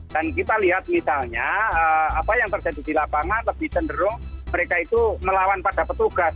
dan kita lihat misalnya apa yang terjadi di lapangan lebih cenderung mereka itu melawan pada petugas